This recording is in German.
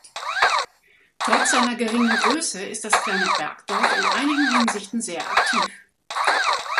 Trotz seiner geringen Größe ist das kleine Bergdorf in einigen Hinsichten sehr aktiv.